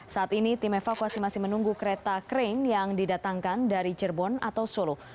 saat ini tim evakuasi masih menunggu kereta krain yang didatangkan dari cirebon atau solo